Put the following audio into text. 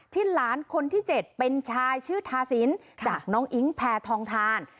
หลานคนที่๗เป็นชายชื่อทาสินจากน้องอิ๊งแพทองทาน